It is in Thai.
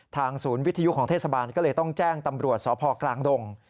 ศูนย์วิทยุของเทศบาลก็เลยต้องแจ้งตำรวจสพกลางดง